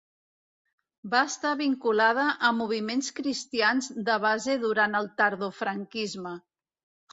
Va estar vinculada a moviments cristians de base durant el tardofranquisme.